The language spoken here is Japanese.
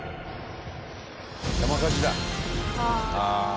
山火事だ。